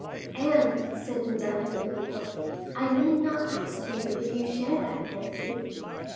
"And," said Madame de Villefort, "I need not ask you if you share that fancy."